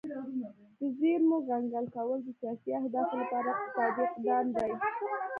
د زیرمو کنګل کول د سیاسي اهدافو لپاره اقتصادي اقدام دی